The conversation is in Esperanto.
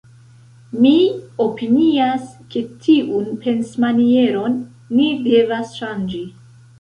Mi opinias, ke tiun pensmanieron ni devas ŝanĝi.